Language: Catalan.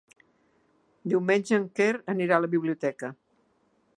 Diumenge en Quer anirà a la biblioteca.